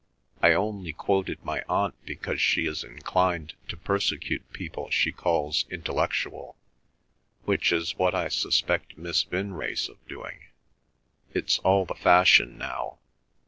I only quoted my Aunt because she is inclined to persecute people she calls 'intellectual,' which is what I suspect Miss Vinrace of doing. It's all the fashion now.